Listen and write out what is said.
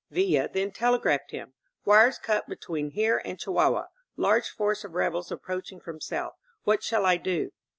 Villa then telegraphed him: •'Wires cut between here and Chihuahua. Large force of rebels approaching from south. What shall I do?"